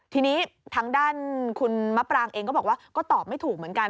ทีนี้ทางด้านคุณมะปรางเองก็บอกว่าก็ตอบไม่ถูกเหมือนกัน